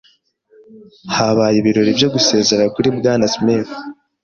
Habaye ibirori byo gusezera kuri Bwana Smith.